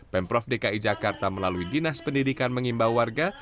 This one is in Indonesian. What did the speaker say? pemprov dki jakarta melalui dinas pendidikan mengimbau warga